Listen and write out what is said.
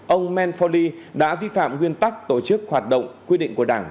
bốn ông man foley đã vi phạm nguyên tắc tổ chức hoạt động quy định của đảng